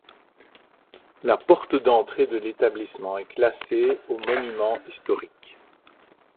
La porte d'entrée de l'établissement est classée aux monuments historiques.